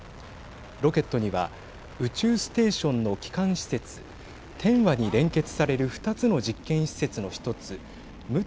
ロケットには宇宙ステーションの基幹施設、天和に連結される２つの実験施設の１つ夢